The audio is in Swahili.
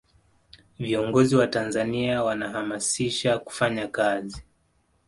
viongozi wa tanzania wanahamasisha kufanya kazi